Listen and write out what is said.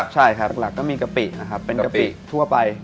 ใช่ครับหลักก็มีกะปิมีพวกผลัก